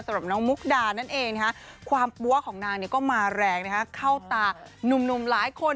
สำหรับน้องมุกดานั่นเองความปั๊วของนางก็มาแรงเข้าตานุ่มหลายคน